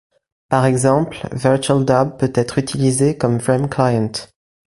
Par exemple, VirtualDub peut être utilisé comme frameclient.